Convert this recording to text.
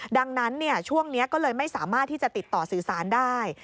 ดังนั้นช่วงนี้ก็เลยไม่สามารถที่จะติดต่อสื่อสารได้